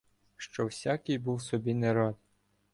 Що всякий був собі не рад.